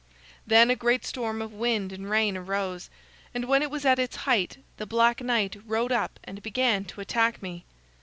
"Then a great storm of wind and rain arose, and when it was at its height the Black Knight rode up and began to attack me.